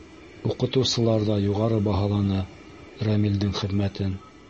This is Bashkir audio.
Уҡытыусылар ҙа юғары баһаланы Рәмилдең хеҙмәтен.